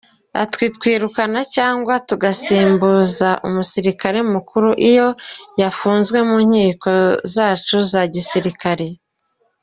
Ati” Twirukana cyangwa tugasimbuza umusirikare mukuru iyo yafunzwe mu nkiko zacu za gisirikare.